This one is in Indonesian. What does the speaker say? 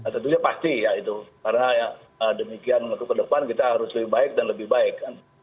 tentunya pasti ya itu karena demikian untuk ke depan kita harus lebih baik dan lebih baik